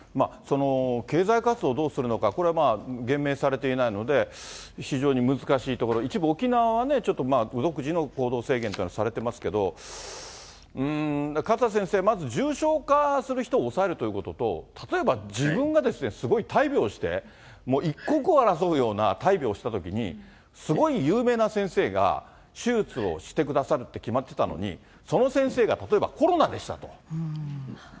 経済活動をどうするのか、これはまあ、言明されていないので、非常に難しいところ、一部沖縄はちょっと独自の行動制限というのをされてますけど、勝田先生、まず重症化する人を抑えるということと、例えば自分がすごい大病して、もう一刻を争うような大病をしたときに、すごい有名な先生が手術をしてくださるって決まってたのに、その先生が例えばコロナでしたと。